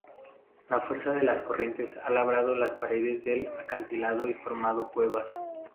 La fuerza de las corrientes ha labrado las paredes del acantilado y formado cuevas.